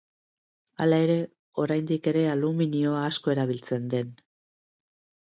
Hala ere, oraindik ere aluminioa asko erabiltzen den.